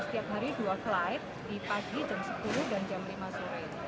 setiap hari dua flight di pagi jam sepuluh dan jam lima sore